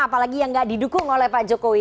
apalagi yang gak didukung oleh pak jokowi